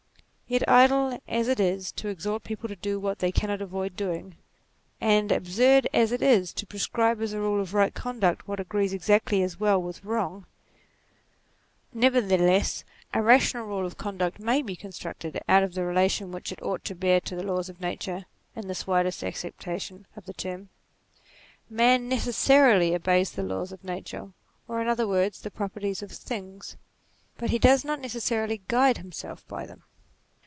Yet, idle as it is to exhort people to do what they cannot avoid doing, and absurd as it is to prescribe as a rule of right conduct what agrees exactly as well with wrong ; nevertheless a rational rule of conduct may be constructed out of the relation which it ought to bear to the laws of nature in this widest acceptation of the term. Man necessarily obeys the laws of nature, NATURE 17 or in other words the properties of things, but he does not necessarily guide himself by them.